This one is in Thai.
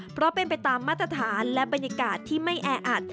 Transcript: เพราะเป็นไปตามมาตรฐานและบรรยากาศที่ไม่แออัด